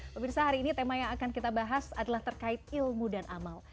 pemirsa hari ini tema yang akan kita bahas adalah terkait ilmu dan amal